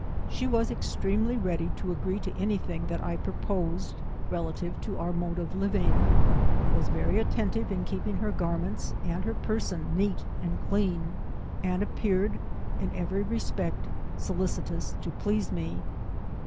She was extremely ready to agree to any thing that I proposed relative to our mode of living, was very attentive in keeping her garments and person neat and clean, and appeared in every respect, solicitous to please me.